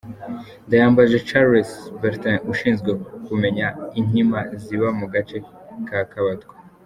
Ndayambaje Charles Bertin ushinzwe kumenya inkima ziba mu gace ka Kabatwa .